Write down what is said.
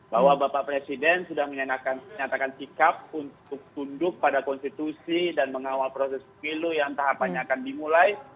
bahwa bapak presiden sudah menyatakan sikap untuk tunduk pada konstitusi dan mengawal proses pemilu yang tahapannya akan dimulai